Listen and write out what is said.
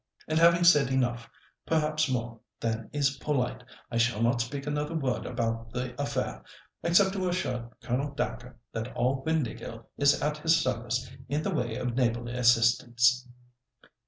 And having said enough, perhaps more than is polite, I shall not speak another word about the affair, except to assure Colonel Dacre that all Windāhgil is at his service in the way of neighbourly assistance."